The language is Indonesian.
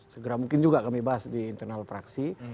segera mungkin juga kami bahas di internal fraksi